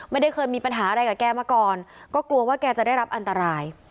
ไม่ได้เคยมีปัญหาอะไรกับแกมาก่อนก็กลัวว่าแกจะได้รับอันตราย